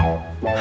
oh anak ku